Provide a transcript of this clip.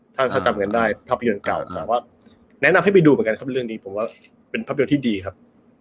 ถ้าจำกันได้ภาพยนตร์เก่าแต่ว่าแนะนำให้ไปดูเหมือนกันครับเรื่องนี้ผมว่าเป็นภาพยนตร์ที่ดีครับ